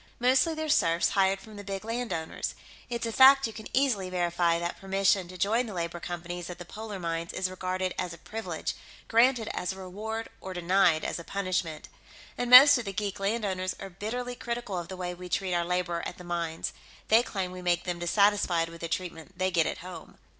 Mostly they're serfs hired from the big landowners; it's a fact you can easily verify that permission to join the labor companies at the polar mines is regarded as a privilege, granted as a reward or denied as a punishment. And most of the geek landowners are bitterly critical of the way we treat our labor at the mines; they claim we make them dissatisfied with the treatment they get at home."